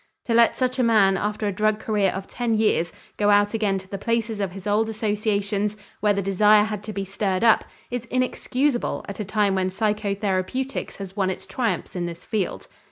To let such a man after a drug career of ten years go out again to the places of his old associations, where the desire had to be stirred up, is inexcusable at a time when psychotherapeutics has won its triumphs in this field.